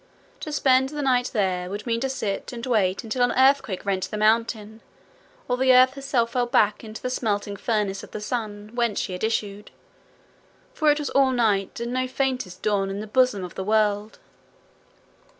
To spend the night there would mean to sit and wait until an earthquake rent the mountain, or the earth herself fell back into the smelting furnace of the sun whence she had issued for it was all night and no faintest dawn in the bosom of the world.